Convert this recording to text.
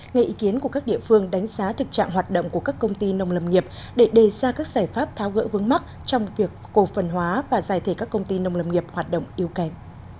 ngay ý kiến của các địa phương đánh giá thực trạng hoạt động của các công ty nông lâm nghiệp để đề ra các giải pháp tháo gỡ vướng mắt trong việc cổ phần hóa và giải thể các công ty nông lâm nghiệp hoạt động yếu kém